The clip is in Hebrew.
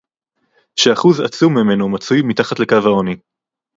שאחוז עצום ממנו מצוי מתחת לקו העוני